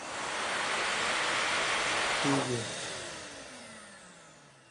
کیږي